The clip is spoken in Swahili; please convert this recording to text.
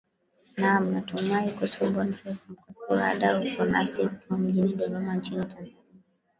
naam natumai kocha bonface mkwasa bado uko nasi ukiwa mjini dodoma nchini tanzania